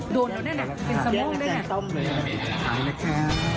ดูน้องนี่แหละ